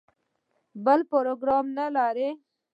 بل پروګرام نه لري.